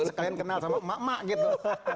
sekalian kenal sama emak emak gitu